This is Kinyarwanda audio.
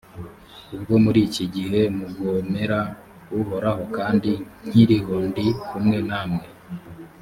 ubwo muri iki gihe mugomera uhoraho, kandi nkiriho ndi kumwe namwe,